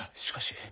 しかし。